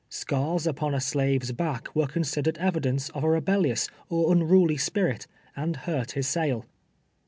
Scars upon a slave's back were considered evidence of a rebellious or unruly Bl^irit, and hurt his sale.